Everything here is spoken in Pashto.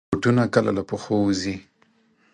بوټونه کله له پښو وځي.